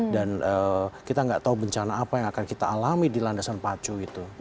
dan kita tidak tahu bencana apa yang akan kita alami di landasan pacu itu